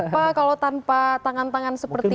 apa kalau tanpa tangan tangan seperti ini